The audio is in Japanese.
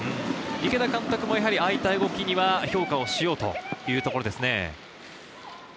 池田監督もああいった動きには評価をしようというところですね。